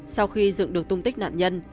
sau khi dựng được tung tích nạn nhân